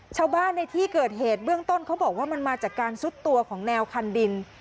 ในที่เกิดเหตุเบื้องต้นเขาบอกว่ามันมาจากการซุดตัวของแนวคันดิน